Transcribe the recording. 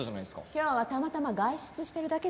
今日はたまたま外出してるだけです。